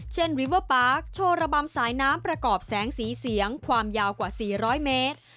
ริเวอร์ปาร์คโชว์ระบำสายน้ำประกอบแสงสีเสียงความยาวกว่า๔๐๐เมตร